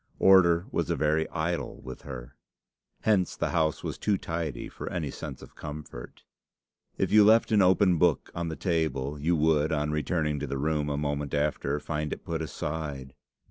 Order was a very idol with her. Hence the house was too tidy for any sense of comfort. If you left an open book on the table, you would, on returning to the room a moment after, find it put aside.